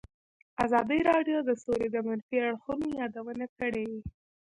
ازادي راډیو د سوله د منفي اړخونو یادونه کړې.